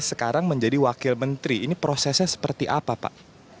sekarang menjadi wakil menteri ini prosesnya seperti apa pak